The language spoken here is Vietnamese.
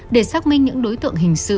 để xác minh những đối tượng hiệu quả